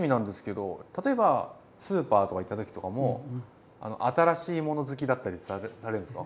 例えばスーパーとか行った時とかも新しいもの好きだったりされるんですか？